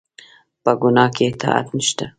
په ګناه کې اطاعت نشته